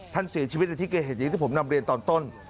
ท่านเสียชีวิตในที่เกิดเหตุอย่างที่ผมนำเรียนตอนต้น